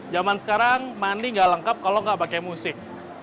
zaman sekarang mandi nggak lengkap kalau nggak pakai musik